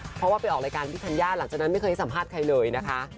เพราะว่าไปออกรายการพี่ธัญญาหลังจากนั้นไม่เคยให้สัมภาษณ์ใครเลยนะคะ